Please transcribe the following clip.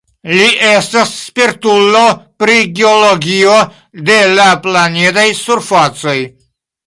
Li estas spertulo pri geologio de la planedaj surfacoj.